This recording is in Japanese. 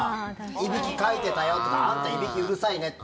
いびきかいてたよとかあんた、いびきうるさいねって。